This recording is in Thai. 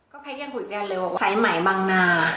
ก็แพทย์ยังคุยกับแดนเลยว่าใส่ไหมบางนา